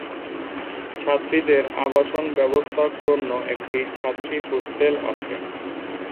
ছাত্রীদের আবাসন ব্যবস্থার জন্য একটি ছাত্রী হোস্টেল আছে।